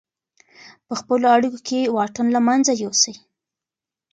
په خپلو اړیکو کې واټن له منځه یوسئ.